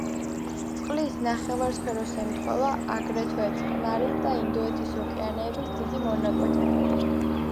წყლის ნახევარსფეროს ემთხვევა აგრეთვე წყნარი და ინდოეთის ოკეანეების დიდი მონაკვეთები.